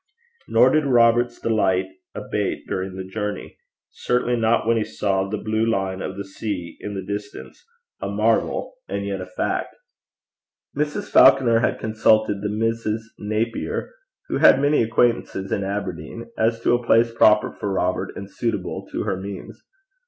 Nor did Robert's delight abate during the journey certainly not when he saw the blue line of the sea in the distance, a marvel and yet a fact. Mrs. Falconer had consulted the Misses Napier, who had many acquaintances in Aberdeen, as to a place proper for Robert, and suitable to her means.